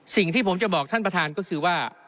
สิ่งที่ผมจะบอกท่านประธานก็คือว่า